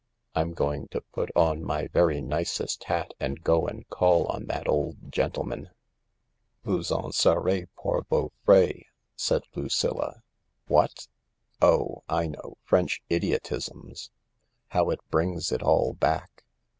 I'm going to put on my very nicest hat and go and call on that old gentleman." " Vous en serez pour vos frais" said Lucilla. " What ? Oh, I know, French idiotisms. How it brings it all back